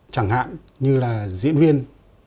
chẳng hạn như là diễn viên